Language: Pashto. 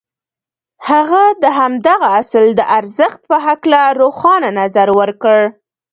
هغه د همدغه اصل د ارزښت په هکله روښانه نظر ورکړ.